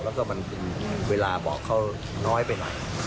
แล้วมันเวลาบอกเขาน้อยไปหน่อย